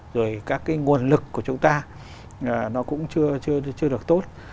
rồi các cái nguồn lực của chúng ta nó cũng chưa được tốt